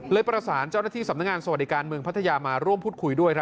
ประสานเจ้าหน้าที่สำนักงานสวัสดิการเมืองพัทยามาร่วมพูดคุยด้วย